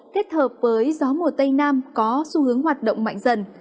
kết hợp với gió mùa tây nam có xu hướng hoạt động mạnh dần